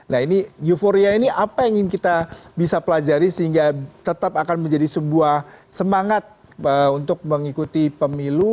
nah ini euforia ini apa yang ingin kita bisa pelajari sehingga tetap akan menjadi sebuah semangat untuk mengikuti pemilu